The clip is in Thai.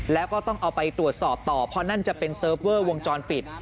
แล้วก็ต้องเอาไปตรวจสอบต่อเพราะนั่นจะเป็นเซิร์ฟเวอร์วงจรปิด